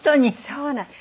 そうなの。